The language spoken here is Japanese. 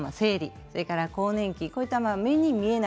それから更年期または目に見えない